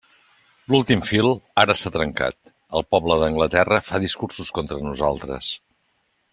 L'últim fil ara s'ha trencat, el poble d'Anglaterra fa discursos contra nosaltres.